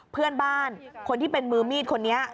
เพื่อนบ้านคนที่เป็นมือมีดคนนี้